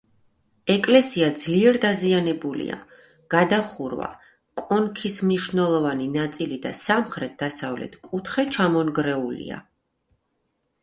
ეკლესია ძლიერ დაზიანებულია: გადახურვა, კონქის მნიშვნელოვანი ნაწილი და სამხრეთ-დასავლეთ კუთხე ჩამონგრეულია.